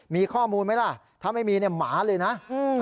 มีข้อมูลไหมล่ะถ้าไม่มีเนี่ยหมาเลยนะ